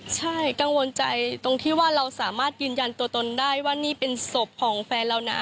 ใช่กังวลใจตรงที่ว่าเราสามารถยืนยันตัวตนได้ว่านี่เป็นศพของแฟนเรานะ